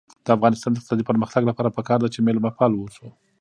د افغانستان د اقتصادي پرمختګ لپاره پکار ده چې مېلمه پال اوسو.